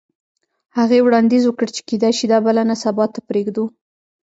هغې وړاندیز وکړ چې کیدای شي دا بلنه سبا ته پریږدو